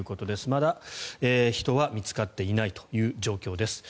まだ人は見つかっていないという状況です。